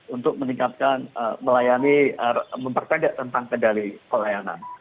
untuk meningkatkan melayani mempertandatkan kendali pelayanan